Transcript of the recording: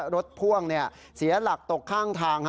พ่วงเสียหลักตกข้างทาง